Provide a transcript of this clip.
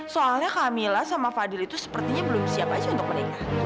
soalnya camilla sama fadil itu sepertinya belum siap aja untuk menikah